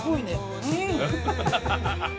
うん！